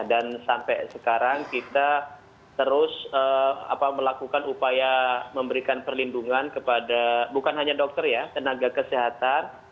dan sampai sekarang kita terus melakukan upaya memberikan perlindungan kepada bukan hanya dokter ya tenaga kesehatan